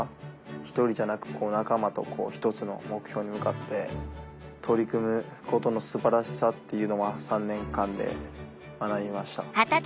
一人じゃなく仲間と一つの目標に向かって取り組むことの素晴らしさっていうのは３年間で学びました。